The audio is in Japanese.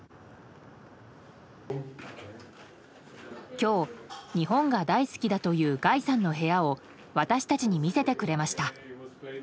今日、日本が大好きだというガイさんの部屋を私たちに見せてくれました。